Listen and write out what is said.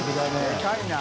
でかいな。